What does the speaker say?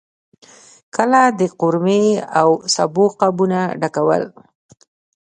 کله د قورمې او سابو قابونه ډکول.